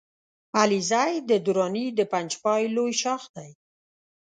علیزی د دراني د پنجپای لوی ښاخ دی